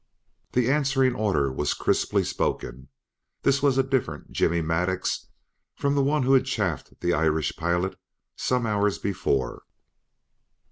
The answering order was crisply spoken; this was a different Jimmy Maddux from the one who had chaffed the Irish pilot some hours before.